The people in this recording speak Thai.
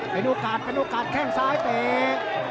เป็นโอกาสเป็นโอกาสแข้งซ้ายเตะ